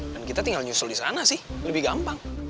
dan kita tinggal nyusul di sana sih lebih gampang